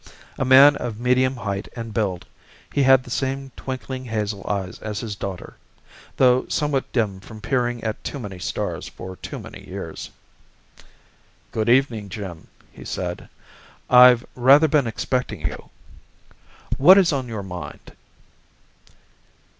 A man of medium height and build, he had the same twinkling hazel eyes as his daughter, though somewhat dimmed from peering at too many stars for too many years. "Good evening, Jim," he said. "I've rather been expecting you. What is on your mind?"